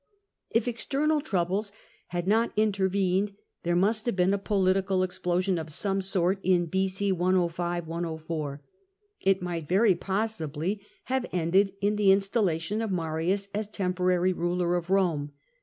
If external troubles had not intervened there must have been a political explosion of some sort in b.c. 105 104; it might very possibly have ended in the installation of Marius as temporary ruler of Rome.